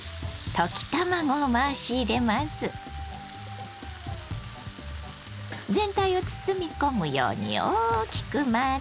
全体を包み込むように大きく混ぜます。